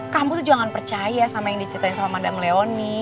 kamu tuh jangan percaya sama yang diceritain sama mandam leoni